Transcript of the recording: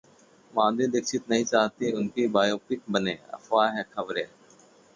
माधुरी दीक्षित नहीं चाहतीं उनकी बायोपिक बने, अफवाह हैं खबरें